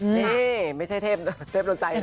นี่ไม่ใช่เทพดนใจนะ